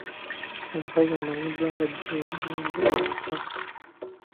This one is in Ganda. Omukazi amanyiddwa nga Jane yazze ewaka.